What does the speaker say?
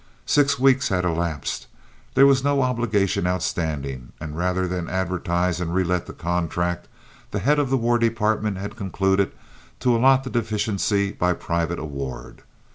Six weeks had elapsed, there was no obligation outstanding, and rather than advertise and relet the contract, the head of the War Department had concluded to allot the deficiency by private award.